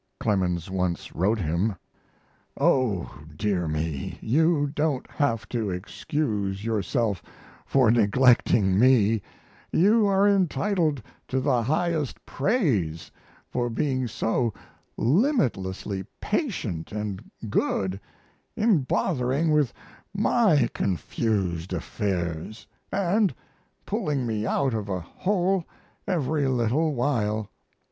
Clemens once wrote him: Oh, dear me, you don't have to excuse yourself for neglecting me; you are entitled to the highest praise for being so limitlessly patient and good in bothering with my confused affairs, and pulling me out of a hole every little while.